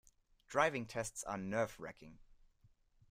Driving tests are nerve-racking.